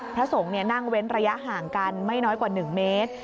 พระสงฆ์นั่งเว้นระยะห่างกันไม่น้อยกว่า๑เมตร